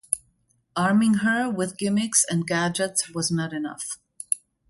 Arming her with gimmicks and gadgets was not enough.